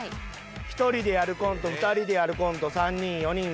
１人でやるコント２人でやるコント３人４人５人。